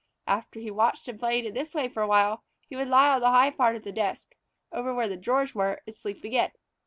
After he had watched and played in this way for a while, he would lie on the high part of the desk, over where the drawers were, and sleep again.